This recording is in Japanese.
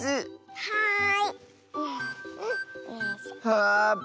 はい。